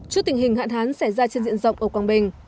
trước tình hình hạn hán xảy ra trên diện rộng ở quảng bình